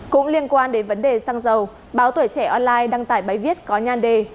cũng liên quan đến vấn đề xăng dầu báo tuổi trẻ online đăng tải bài viết có nhan đề